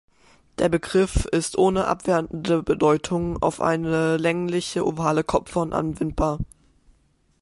Der Begriff ist ohne abwertende Bedeutung auf eine längliche ovale Kopfform anwendbar.